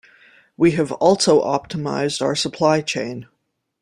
We have also optimised our supply chain.